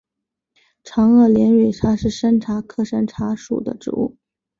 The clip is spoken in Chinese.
长萼连蕊茶是山茶科山茶属的植物。